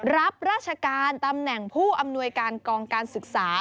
รับราชการตำแหน่งผู้อำนวยการกองการศึกษา